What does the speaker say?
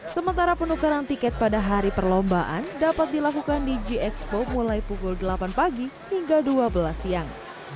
sementara penukaran tiket pada hari perlombaan dapat dilakukan di g expo mulai pukul delapan pagi hingga dua belas siang